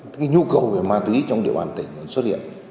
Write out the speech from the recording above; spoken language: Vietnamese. cái nhu cầu về ma túy trong địa bàn tỉnh xuất hiện